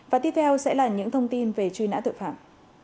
và tiếp theo sẽ là những thông tin về truy nã tội phạm